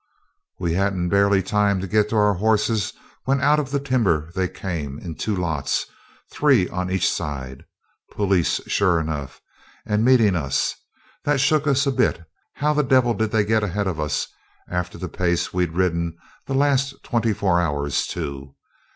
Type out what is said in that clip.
We hadn't barely time to get to our horses, when out of the timber they came in two lots three on each side. Police, sure enough; and meeting us. That shook us a bit. How the devil did they get ahead of us after the pace we'd ridden the last twenty four hours, too?